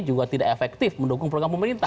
juga tidak efektif mendukung program pemerintah